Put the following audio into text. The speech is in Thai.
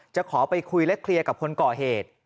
จะขอไปคุยและเคลียร์กับคนก่อเหตุ